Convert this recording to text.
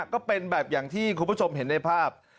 ก็เป็นแบบอย่างที่คุณผู้ชมเห็นในภาพ